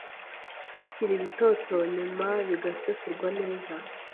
bikiri bitoto nyuma bigasekurwa neza